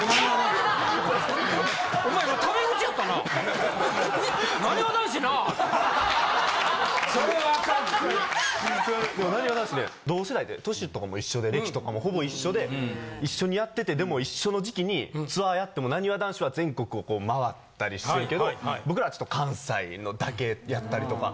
でもなにわ男子ね同世代で年とかも一緒で歴とかもほぼ一緒で一緒にやっててでも一緒の時期にツアーやってもなにわ男子は全国を回ったりしてるけど僕らはちょっと関西だけやったりとか。